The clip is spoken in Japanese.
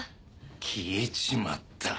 消えちまった。